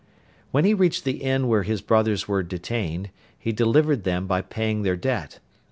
When he reached the inn where his brothers were detained, he delivered them by paying their debt.